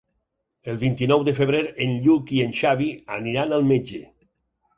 El vint-i-nou de febrer en Lluc i en Xavi aniran al metge.